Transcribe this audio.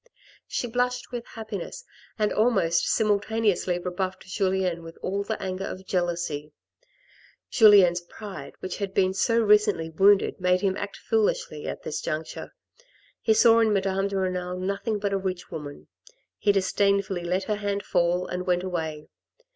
She blushed with happiness and almost simultaneously rebuffed Julien with all the anger of jealousy. Julien's pride which had been so recently wounded made him act foolishly at this juncture. He saw in Madame de Renal nothing but a rich woman, he disdainfully let her hand fall and went away.